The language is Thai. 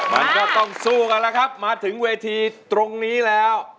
มันก็ต้องสู้กันแล้วครับมาถึงเวทีตรงนี้แล้ว